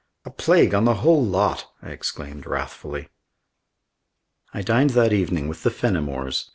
"A plague on the whole lot!" I exclaimed wrathfully. I dined that evening with the Fenimores.